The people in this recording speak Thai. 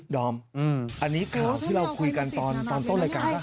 ดอมอันนี้ข่าวที่เราคุยกันตอนต้นรายการว่า